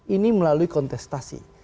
ini melalui kontestasi